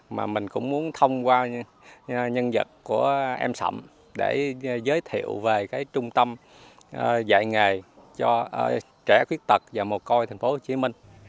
mà mình cũng muốn thông qua nhân vật của em sầm để giới thiệu về cái trung tâm dạy nghề cho trẻ quyết tật và mồ côi tp hcm